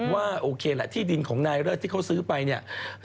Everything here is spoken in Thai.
ว่าโอเคแหละที่ดินของนายเลิศที่เขาซื้อไปเนี่ย